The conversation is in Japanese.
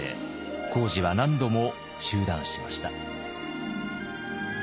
工事は何度も中断しました。